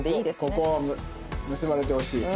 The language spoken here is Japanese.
ここは結ばれてほしい。